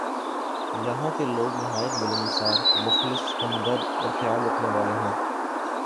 یہاں کے لوگ نہایت ملنسار ، مخلص ، ہمدرد اورخیال رکھنے والے ہیں ۔